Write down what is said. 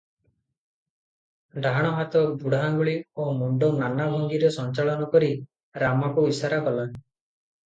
ଡାହାଣ ହାତ ବୁଢା ଆଙ୍ଗୁଳି ଓ ମୁଣ୍ଡ ନାନା ଭଙ୍ଗିରେ ସଞ୍ଚାଳନ କରି ରାମାକୁ ଇଶାରା କଲା ।